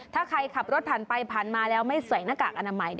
ถ้าใครขับรถผ่านไปผ่านมาแล้วไม่ใส่หน้ากากอนามัย